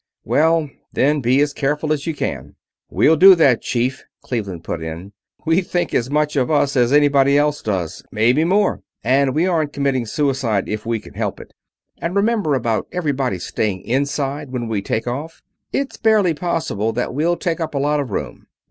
"Well, then, be as careful as you can." "We'll do that, Chief," Cleveland put in. "We think as much of us as anybody else does maybe more and we aren't committing suicide if we can help it. And remember about everybody staying inside when we take off it's barely possible that we'll take up a lot of room.